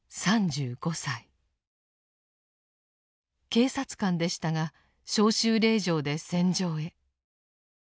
警察官でしたが召集令状で戦場へ。